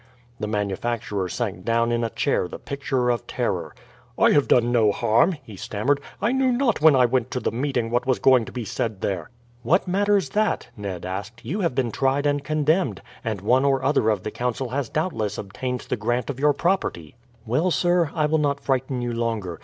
The manufacturer sank down in a chair the picture of terror. "I have done no harm," he stammered. "I knew not when I went to the meeting what was going to be said there." "What matters that?" Ned asked. "You have been tried and condemned, and one or other of the Council has doubtless obtained the grant of your property. Well, sir, I will not frighten you longer.